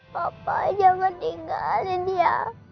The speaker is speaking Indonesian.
papa jangan tinggalin dia